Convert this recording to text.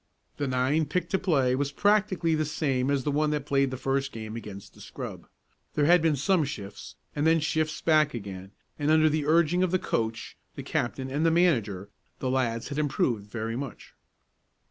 The nine picked to play was practically the same as the one that played the first game against the scrub. There had been some shifts, and then shifts back again, and under the urging of the coach, the captain and the manager, the lads had improved very much.